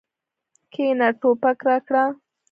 کېنه ټوپک راکړه.